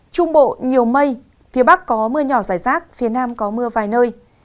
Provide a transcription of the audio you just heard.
trung bộ nhiều mây phía bắc có mưa nhỏ rải rác phía nam có mưa vài nơi